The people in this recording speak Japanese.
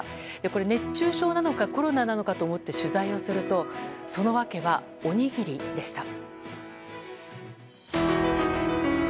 これ、熱中症なのかコロナなのかと思って取材をするとその訳は、おにぎりでした。